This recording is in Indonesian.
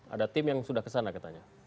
ada tim yang sudah ke sana katanya